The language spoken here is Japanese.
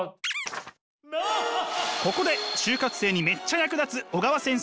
ここで就活生にめっちゃ役立つ小川先生